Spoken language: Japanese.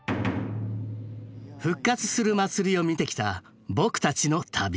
復活する祭りを見てきた僕たちの旅。